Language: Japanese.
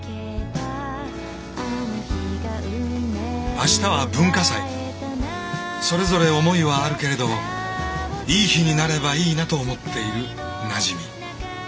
明日は文化祭それぞれ思いはあるけれどいい日になればいいなと思っているなじみ。